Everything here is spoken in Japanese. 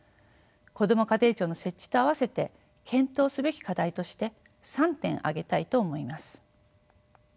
こども家庭庁の設置とあわせて検討すべき課題として３点挙げたいと思います。